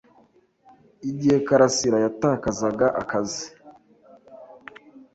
Igihe karasira yatakazaga akazi,